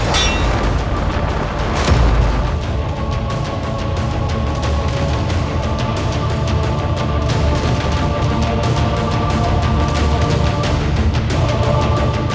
sekarang rasakan tenaga dalamku